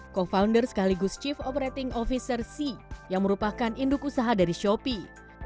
co founder sekaligus chief operating officer sea yang merupakan induk usaha dari shopee